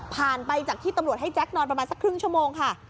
ไปจากที่ตำรวจให้แก๊กนอนประมาณสักครึ่งชั่วโมงค่ะ